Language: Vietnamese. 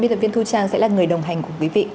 biên tập viên thu trang sẽ là người đồng hành cùng quý vị